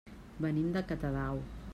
Venim de Catadau.